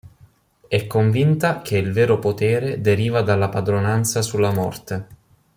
È convinta che il vero potere deriva dalla padronanza sulla morte.